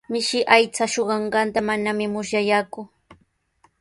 Mishi aycha suqanqanta manami musyayaaku.